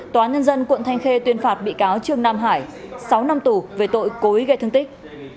tòa nhân dân quận thanh khê tuyên phạt bị cáo trương nam hải sáu năm tù về tội cố ý gây thương tích